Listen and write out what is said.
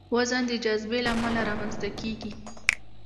وزن د جاذبې له امله رامنځته کېږي.